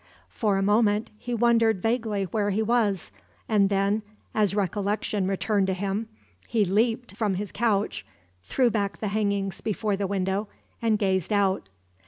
For a moment he wondered vaguely where he was, and then, as recollection returned to him, he leaped from his couch, threw back the hangings before the window, and gazed out.